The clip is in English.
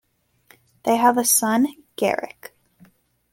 They have a son Garrick.